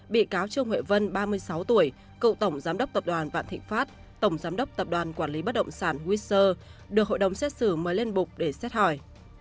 bị cáo trương huệ vân ba mươi sáu tuổi cựu tổng giám đốc tập đoàn vạn thịnh pháp tổng giám đốc tập đoàn quản lý bất động sản wecher được hội đồng xét xử mới lên bục để xét hỏi